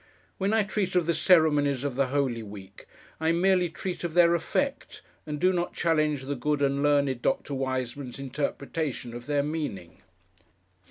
When I treat of the ceremonies of the Holy Week, I merely treat of their effect, and do not challenge the good and learned Dr. Wiseman's interpretation of their meaning.